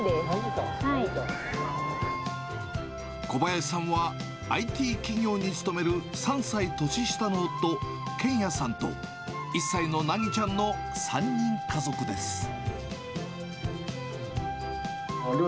小林さんはＩＴ企業に勤める３歳年下の夫、剣也さんと、１歳の凪ちゃんの３人家族です。